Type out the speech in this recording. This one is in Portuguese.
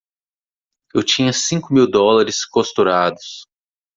Eu tinha cinco mil dólares costurados!